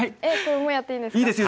もうやっていいんですか？